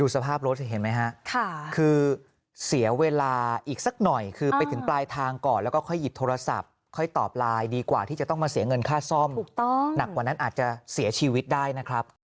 สภาพรถเห็นไหมฮะคือเสียเวลาอีกสักหน่อยคือไปถึงปลายทางก่อนแล้วก็ค่อยหยิบโทรศัพท์ค่อยตอบไลน์ดีกว่าที่จะต้องมาเสียเงินค่าซ่อมหนักกว่านั้นอาจจะเสียชีวิตได้นะครับ